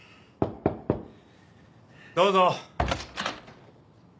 どうぞ。